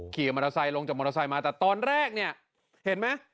ขี่มอเตอร์ไซค์ลงจากมอเตอร์ไซค์มาแต่ตอนแรกเนี่ยเห็นไหม